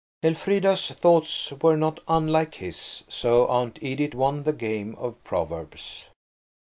Elfrida's thoughts were not unlike his–so Aunt Edith won the game of Proverbs.